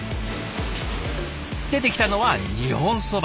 出てきたのは日本そば。